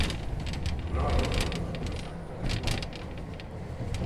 Ragyog Németország felett!